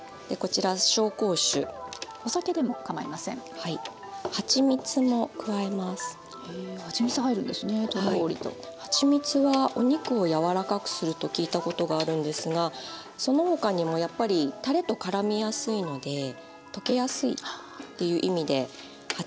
はちみつはお肉を柔らかくすると聞いたことがあるんですがその他にもやっぱりたれとからみやすいので溶けやすいっていう意味ではちみつを私は使ってます。